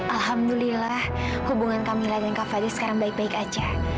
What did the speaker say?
alhamdulillah hubungan kamila dan kak fadli sekarang baik baik aja